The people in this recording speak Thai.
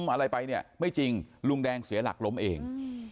อะไรไปเนี่ยไม่จริงลุงแดงเสียหลักล้มเอง